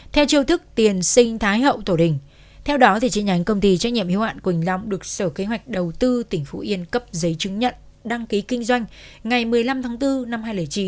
theo chiều thức tiền sinh thái hậu tổ đình theo đó chi nhánh công ty trách nhiệm hiệu hạn quỳnh long được sở kế hoạch đầu tư tỉnh phú yên cấp giấy chứng nhận đăng ký kinh doanh ngày một mươi năm tháng bốn năm hai nghìn chín